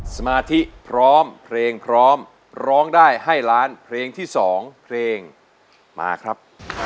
สมาธิพร้อมเพลงพร้อมร้องได้ให้ล้านเพลงที่๒เพลงมาครับ